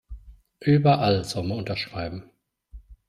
Überall soll man unterschreiben.